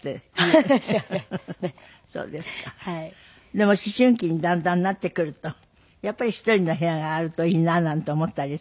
でも思春期にだんだんなってくるとやっぱり１人の部屋があるといいななんて思ったりする？